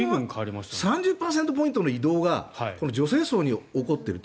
３０ポイントの移動が女性層に起こっている。